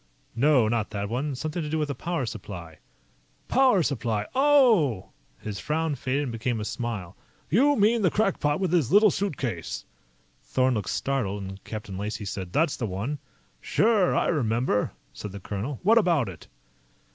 "No, not that one. Something to do with a power supply." "Power supply. Oh!" His frown faded and became a smile. "You mean the crackpot with his little suitcase." Thorn looked startled, and Captain Lacey said: "That's the one." "Sure I remember," said the colonel. "What about it?"